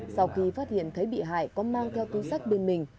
sau khi phát hiện thấy bị hại có mang theo túi sách bên mình